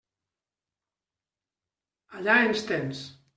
Allà ens tens.